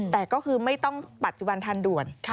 แต่ก็คือไม่ต้องปัจจุบันทันด่วน